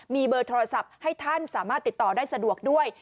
มีเบอร์โทรศัพท์ให้ท่านสามารถติดต่อได้สะดวกด้วย